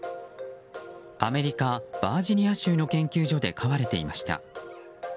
アメリカ・バージニア州の研究所で飼われていました。